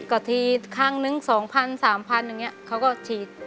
ก็ทีครั้งหนึ่ง๒๐๐๐๓๐๐๐เขาก็ฉีด